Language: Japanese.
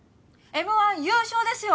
Ｍ−１優勝ですよ！